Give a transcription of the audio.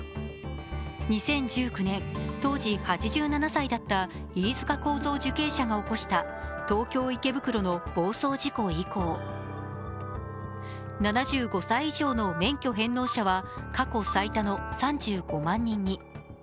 ２０１９年、当時８７歳だった飯塚幸三受刑者が起こした東京・池袋の暴走事故以降、７５歳以上の免許返納者は過去最多の３５万人に。